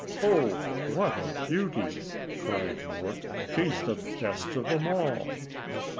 "Oh, what a beauty!" cried Mort. "She's the best of them all."